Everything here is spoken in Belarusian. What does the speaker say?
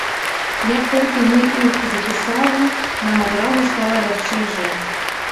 Як толькі мы іх запісалі, нам адразу стала лягчэй жыць.